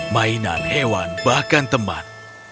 mainan hewan bahkan teman